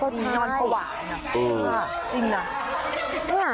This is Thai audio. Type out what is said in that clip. นั่นพะหวานอะ